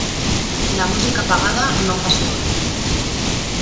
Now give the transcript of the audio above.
La música pagada no fa soroll.